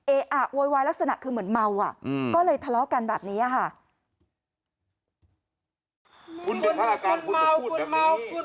เออะโวยวายลักษณะคือเหมือนเมาอ่ะก็เลยทะเลาะกันแบบนี้ค่ะ